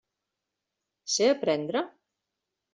Sé aprendre?